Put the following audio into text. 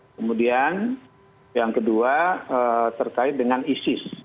kemudian yang kedua terkait dengan isis